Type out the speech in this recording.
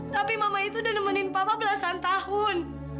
tapi mama itu udah nemenin papa belasan tahun